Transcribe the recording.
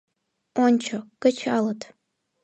— Ончо... кычалыт!